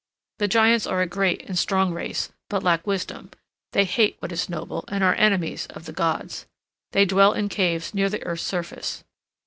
The giants are a great and strong race, but lack wisdom; they hate what is noble, and are enemies of the gods; they dwell in caves near the earth's surface.